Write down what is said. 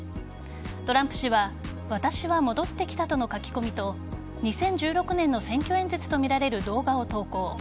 トランプ氏は私は戻ってきたとの書き込みと２０１６年の選挙演説とみられる動画を投稿。